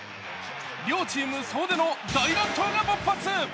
両チーム総出の大乱闘が勃発。